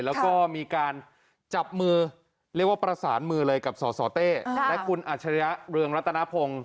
แล้วก็มีการจับมือเรียกว่าประสานมือเลยกับสสเต้และคุณอัจฉริยะเรืองรัตนพงศ์